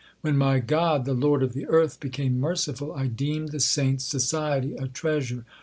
When my God the Lord of the earth became merciful, I deemed the saints society a treasure.